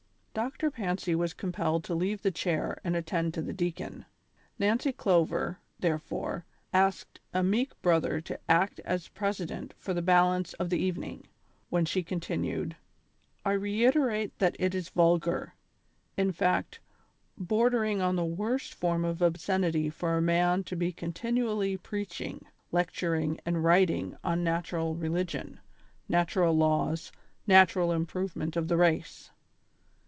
Doctor Fancy was compelled to leave the chair and attend to the deacon ; Nancy Clover, therefore, asked a meek brother to act as president for the balance of the evening, when she con tinued : "I reiterate that it is vulgar ; in fact, bordering on the worst form of obscenity for a man to be continually preach ing, lecturing and writing on natural religion, natural laws, natural improvement of the race.